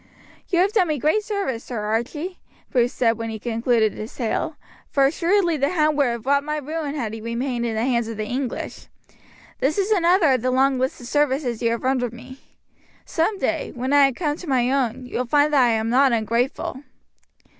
"You have done me great service, Sir Archie," Bruce said when he concluded his tale, "for assuredly the hound would have wrought my ruin had he remained in the hands of the English. This is another of the long list of services you have rendered me. Some day, when I come to my own, you will find that I am not ungrateful."